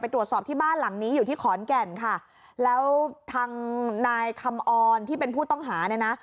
ตรวจสอบที่บ้านหลังนี้อยู่ที่ขอนแก่นค่ะแล้วทางนายคำออนที่เป็นผู้ต้องหาเนี่ยนะ